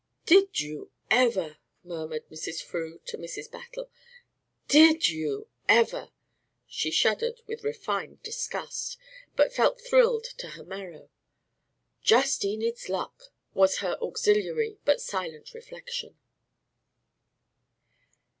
"Did you ever?" murmured Mrs. Frew to Mrs. Battle. "Did you ever?" She shuddered with refined disgust, but felt thrilled to her marrow. "Just Enid's luck!" was her auxiliary but silent reflection.